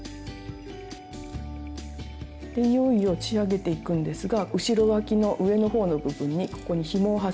いよいよ仕上げていくんですが後ろわきの上のほうの部分にここにひもを挟みます。